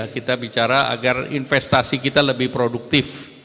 kita bicara agar investasi kita lebih produktif